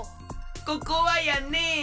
ここはやね